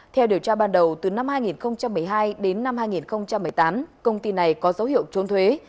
theo điều tra ban đầu từ năm hai nghìn một mươi hai đến năm hai nghìn một mươi tám công ty này có dấu hiệu trốn thuế